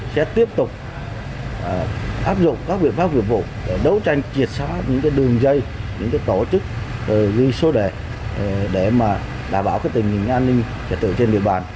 sẽ tiếp tục áp dụng các biện pháp nghiệp vụ để đấu tranh triệt xóa những đường dây những tổ chức ghi số đề để đảm bảo tình hình an ninh trật tự trên địa bàn